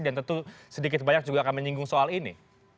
dan tentu sedikit banyak juga akan menyinggung soal ini